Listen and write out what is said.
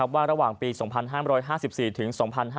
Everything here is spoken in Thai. ว่าระหว่างปี๒๕๕๔ถึง๒๕๕๙